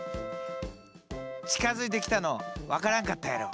近づいてきたの分からんかったやろ？